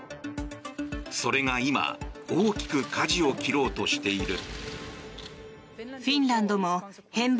それが今大きくかじを切ろうとしている。